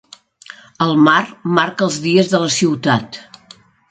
El mar marca els dies de la ciutat.